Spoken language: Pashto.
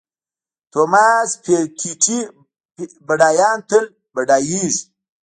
توماس پیکیټي بډایان تل بډایېږي.